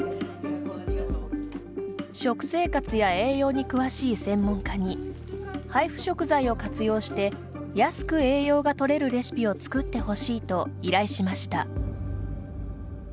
食生活や栄養に詳しい専門家に配布食材を活用して安く栄養が取れるレシピを作ってほしいと依頼しました。